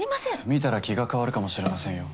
見たら気が変わるかもしれませんよ。